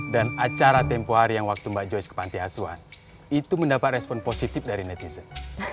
dan acara tempoh hari yang waktu mbak joyce ke pantai asuhan itu mendapat respon positif dari netizen